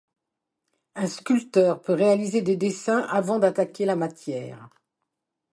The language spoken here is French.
Un sculpteur peut réaliser des dessins avant d'attaquer la matière.